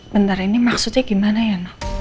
bentar ini maksudnya gimana ya nok